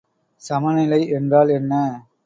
சமநிலை என்றால் என்ன?